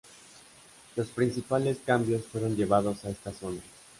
Los principales cambios fueron llevados a estas zonas.